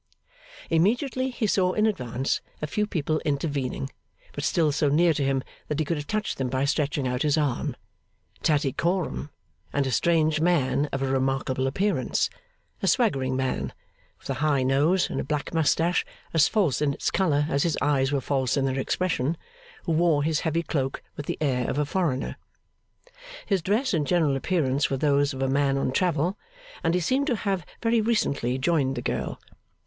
Immediately, he saw in advance a few people intervening, but still so near to him that he could have touched them by stretching out his arm Tattycoram and a strange man of a remarkable appearance: a swaggering man, with a high nose, and a black moustache as false in its colour as his eyes were false in their expression, who wore his heavy cloak with the air of a foreigner. His dress and general appearance were those of a man on travel, and he seemed to have very recently joined the girl.